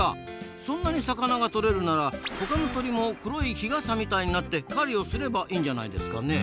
そんなに魚がとれるならほかの鳥も黒い日傘みたいになって狩りをすればいいんじゃないですかねえ？